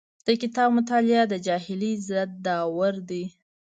د کتاب مطالعه د جاهلۍ ضد دارو دی.